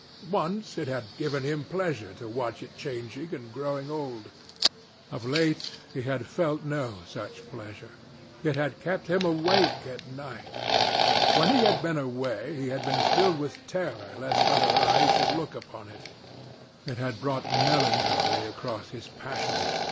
Once it had given him pleasure to watch it changing and growing old. Of late he had felt no such pleasure. It had kept him awake at night. When he had been away, he had been filled with terror lest other eyes should look upon it. It had brought melancholy across his passions.